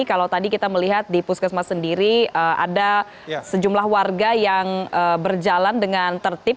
kalau tadi kita melihat di puskesmas sendiri ada sejumlah warga yang berjalan dengan tertib